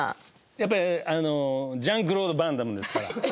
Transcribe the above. やっぱりジャン＝クロード・ヴァン・ダムですから。